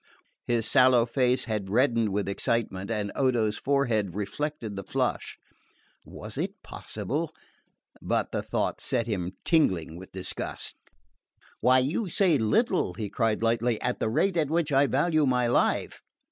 His sallow face had reddened with excitement, and Odo's forehead reflected the flush. Was it possible ? But the thought set him tingling with disgust. "Why, you say little," he cried lightly, "at the rate at which I value my life."